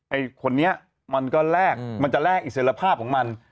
ไอ้คนนี้มันก็แลกมันจะแลกอิสระภาพของมัน